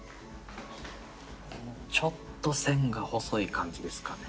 ちょっと線が細い感じですかね。